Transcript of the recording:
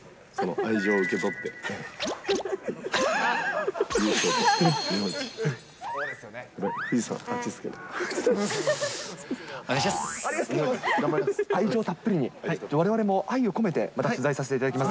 愛情たっぷりに、われわれも愛を込めて、また取材させていただきます。